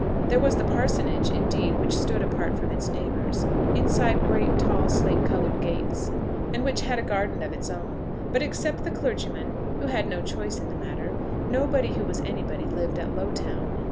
There was the parsonage, indeed, which stood apart from its neighbours, inside great tall slate coloured gates, and which had a garden of its own. But except the clergyman, who had no choice in the matter, nobody who was anybody lived at Lowtown.